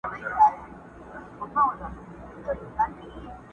زما اوزگړي زما پسونه دي چیچلي!.